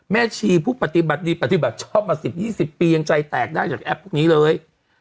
ชีผู้ปฏิบัติดีปฏิบัติชอบมา๑๐๒๐ปียังใจแตกได้จากแอปพวกนี้เลย